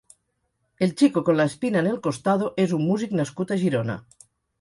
El Chico Con La Espina En El Costado és un músic nascut a Girona.